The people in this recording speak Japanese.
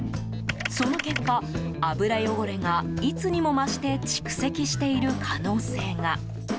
その結果、油汚れがいつにも増して蓄積している可能性が。